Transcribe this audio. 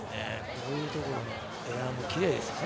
こういうところのエアもきれいですね。